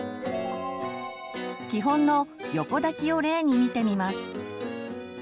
基本の横抱きを例に見てみます。